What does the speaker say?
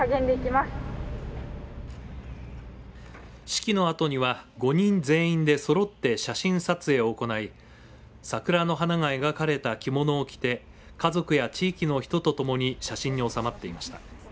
式のあとには、５人全員でそろって写真撮影を行い桜の花が描かれた着物を着て家族や地域の人とともに写真に収まっていました。